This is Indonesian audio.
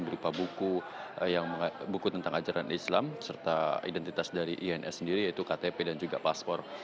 berupa buku tentang ajaran islam serta identitas dari ins sendiri yaitu ktp dan juga paspor